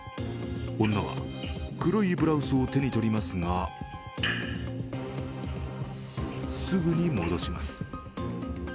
女は黒いブラウスを手にとりますが、すぐに戻します。